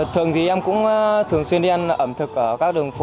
thường thì em cũng thường xuyên đi ăn ẩm thực ở các đường phố